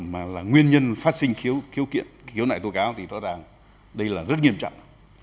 mà là nguyên nhân phát sinh khiếu kiện khiếu nại tố cáo thì đó là rất nghiêm trọng